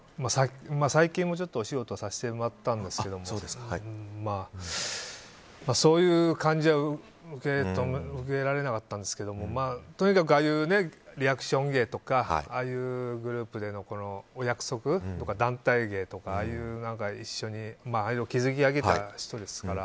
最近もちょっとお仕事させてもらったんですけどそういう感じは受け止められなかったんですがとにかくああいうリアクション芸とかああいうグループでのお約束とか団体芸とかああいうのを築き上げた人ですから。